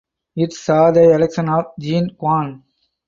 It saw the election of Jean Quan.